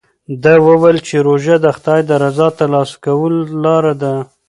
ده وویل چې روژه د خدای د رضا ترلاسه کولو لاره ده.